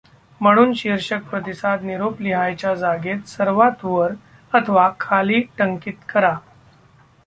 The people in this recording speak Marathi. म्हणून शीर्षक प्रतिसाद निरोप लिहायच्या जागेत सर्वांत वर अथवा खाली टंकित करा.